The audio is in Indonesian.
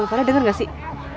lo pada denger gak sih